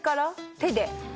手で。